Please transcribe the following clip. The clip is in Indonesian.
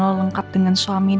oh enggak menggoli rooted